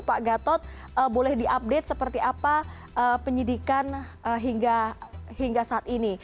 pak gatot boleh diupdate seperti apa penyidikan hingga saat ini